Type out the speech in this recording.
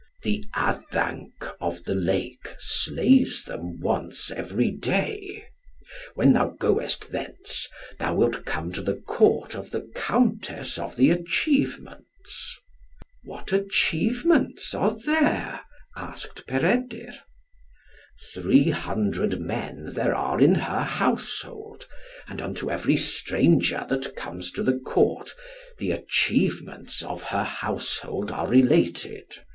"The Addanc of the Lake slays them once every day. When thou goest thence, thou wilt come to the Court of the Countess of the Achievements." "What achievements are there?" asked Peredur. "Three hundred men there are in her household, and unto every stranger that comes to the Court, the achievements of her household are related.